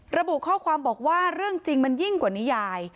ระบุข้อความบอกว่าเรื่องจริงมันยิ่งกว่านิยาย